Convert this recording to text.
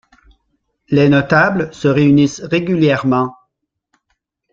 Les notables se réunissent régulièrement.